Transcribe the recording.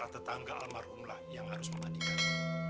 tetangga almarhumlah yang harus memandikan